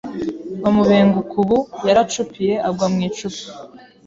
Bamubenguka Ubu yaracupiye agwa mu icupa